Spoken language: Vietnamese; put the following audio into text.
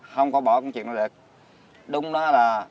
không có bỏ công việc nữa được